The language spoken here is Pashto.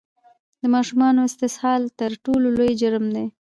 د ماشومانو استحصال تر ټولو لوی جرم دی!